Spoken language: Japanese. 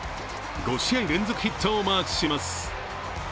５試合連続ヒットをマークします。